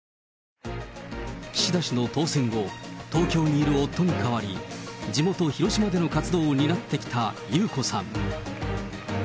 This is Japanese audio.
岸田氏の当選後、東京にいる夫に代わり、地元、広島での活動を担ってきた裕子さん。